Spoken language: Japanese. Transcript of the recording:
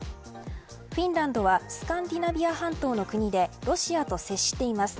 フィンランドはスカンディナビア半島の国でロシアと接しています。